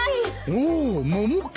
おお桃か。